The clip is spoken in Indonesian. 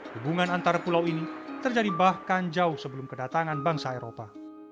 hubungan antar pulau ini terjadi bahkan jauh sebelum kedatangan bangsa eropa